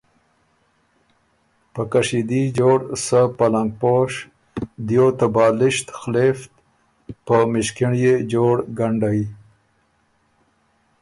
په کشیدي جوړ سۀ پلنګپوش، دیو ته بالِشت خلېفت، په مِݭکِنړيې جور ګنډئ